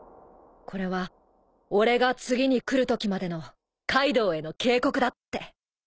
「これは俺が次に来るときまでのカイドウへの警告だ」って。